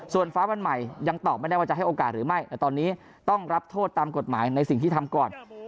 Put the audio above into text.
ส่วนฟ้าวันใหม่ยังตอบไม่ได้ว่าจะให้โอกาสหรือไม่แต่ตอนนี้ต้องรับโทษตามกฎหมายในสิ่งที่ทำก่อน